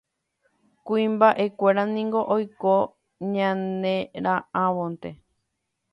Kuimba'ekuéra niko oiko ñanera'ãvonte